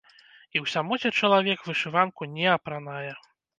І ў самоце чалавек вышыванку не апранае.